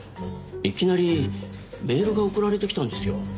いきなりメールが送られてきたんですよ。